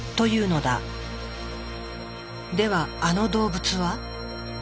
ではあの動物は？